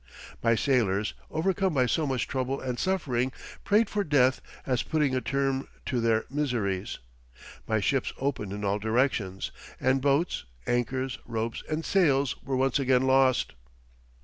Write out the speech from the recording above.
My sailors, overcome by so much trouble and suffering, prayed for death as putting a term to their miseries; my ships opened in all directions, and boats, anchors, ropes, and sails were once again lost."